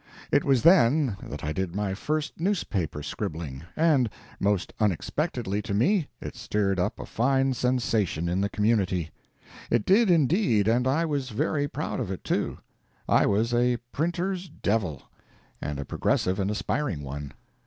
It was then that I did my first newspaper scribbling, and most unexpectedly to me it stirred up a fine sensation in the community. It did, indeed, and I was very proud of it, too. I was a printer's "devil," and a progressive and aspiring one.